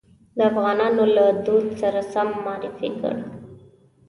د افغانانو له دود سره سم معرفي کړ.